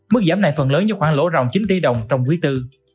mức giảm này phần lớn như khoảng lỗ rộng chín triệu đồng trong quý tư